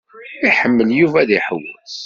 Iḥemmel Yuba aḥewwes.